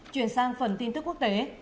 chuyển sang phần tin tức quốc tế